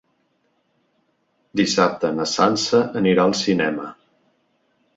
Dissabte na Sança anirà al cinema.